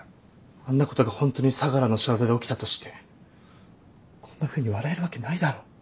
あんなことがホントに相楽の仕業で起きたとしてこんなふうに笑えるわけないだろ